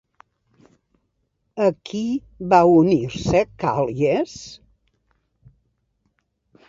A qui va unir-se Càl·lies?